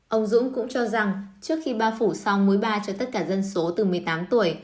ông dũng cũng cho rằng trước khi bao phủ xong mối ba cho tất cả dân số từ một mươi tám tuổi